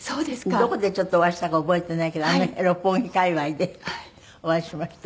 どこでちょっとお会いしたか覚えてないけどあの辺六本木界隈でお会いしました。